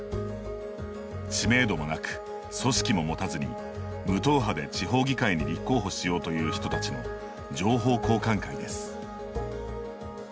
知名度もなく、組織も持たずに無党派で地方議会に立候補しようという人たちの情報交換会です。